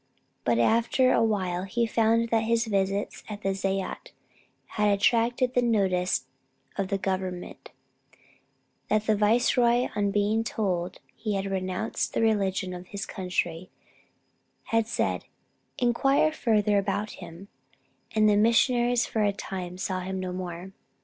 But after a while he found that his visits at the zayat had attracted the notice of Government, that the viceroy on being told he had renounced the religion of his country, had said, 'Inquire further about him,' and the missionaries for a time saw him no more.